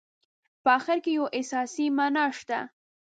په اخر کې یوه احساسي معنا شته.